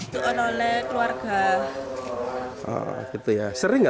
pembelian otak otak rajungan